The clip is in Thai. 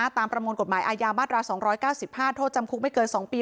ตามประมวลกฎหมายอายามาตราสองร้อยเก้าสิบห้าโทษจำคุกไม่เกินสองปี